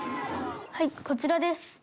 はいこちらです。